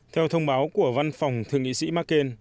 theo thông báo của văn phòng thượng nghị sĩ mccain